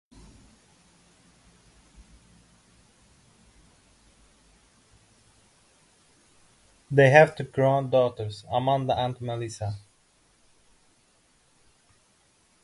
They have two grown daughters, Amanda and Melissa.